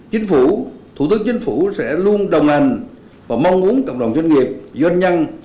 chính phủ thủ tướng chính phủ sẽ luôn đồng hành và mong muốn cộng đồng doanh nghiệp doanh nhân